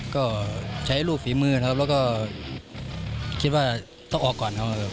ก็ใช้รูปฝีมือนะครับแล้วก็คิดว่าต้องออกก่อนครับ